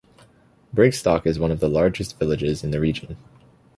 Brigstock is one of the largest villages in the region.